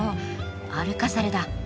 アルカサルだ。